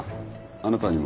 あなたにも。